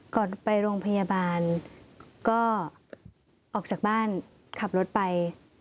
ไปโรงพยาบาลก็ออกจากบ้านขับรถไป